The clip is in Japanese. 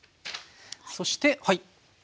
そしてはい。